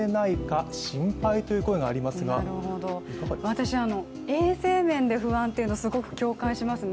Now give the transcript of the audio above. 私、衛生面で不安というのすごく共感しました。